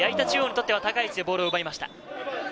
中央にとっては高い位置でボールを奪われました。